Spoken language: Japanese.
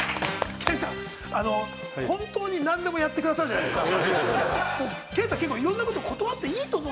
健さん、本当に何でもやって下さるじゃないですか！